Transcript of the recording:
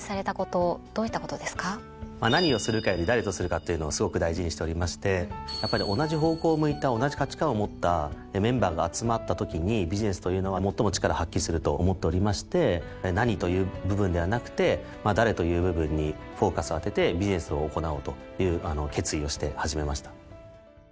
っていうのをすごく大事にしておりましてやっぱり同じ方向を向いた同じ価値観を持ったメンバーが集まったときにビジネスというのは最も力発揮すると思っておりまして「何」という部分ではなくて「誰」という部分にフォーカス当ててビジネスを行おうという決意をして始めました。